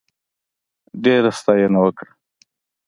ډېره ستاینه وکړه.